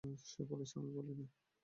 সে বলেছে, আমি বলিনি।